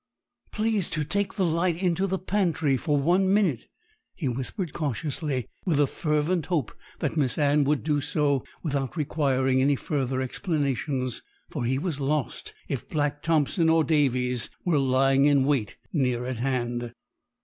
'Please to take the light into the pantry for one minute,' he whispered cautiously, with a fervent hope that Miss Anne would do so without requiring any further explanations; for he was lost if Black Thompson or Davies were lying in wait near at hand.